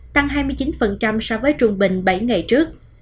tăng hai mươi chín so với trung bình bảy ngày trước